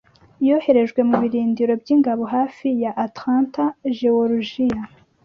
Yoherejwe mu birindiro by'ingabo hafi ya Atlanta, Jeworujiya.